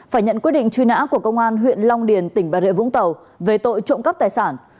phải nhận quyết định truy nã của công an huyện long điền tỉnh bà rịa vũng tàu về tội trộm cắp tài sản